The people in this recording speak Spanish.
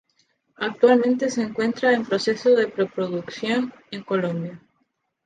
Actualmente se encuentra en proceso de preproducción, en Colombia.